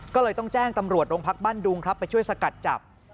ก็เลยต้องแจ้งตำรวจโรงพักบ้านดุงครับไปช่วยสกัดจับ